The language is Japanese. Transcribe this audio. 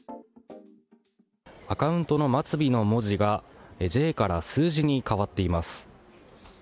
アカウントの末尾の文字がｊから数字に変わっています。